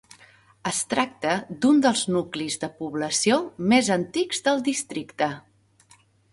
Es tracta d'un dels nuclis de població més antics del districte.